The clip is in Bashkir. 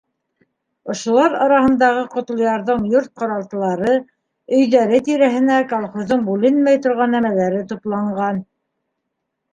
Ошолар араһындағы Ҡотлоярҙың йорт-ҡаралтылары, өйҙәре тирәһенә колхоздың бүленмәй торған нәмәләре тупланған.